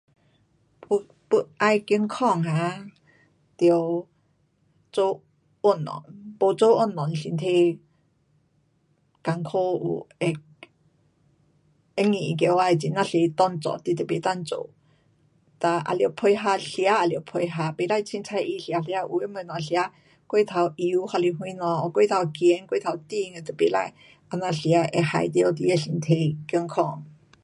要,要爱健康啊，得做运动,没做运动身体困苦有，会硬起来，很呀多工作你都不能做。哒还得配合。吃也得配合。不可随便乱吃吃。有的东西吃过头油，还是什么过头咸，过头甜的都不可这样吃，会害到你的身体健康。